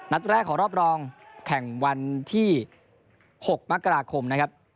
แรกของรอบรองแข่งวันที่๖มกราคมนะครับ